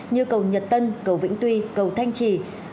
như cầu nhật tân cầu vĩnh tuy cầu thanh trì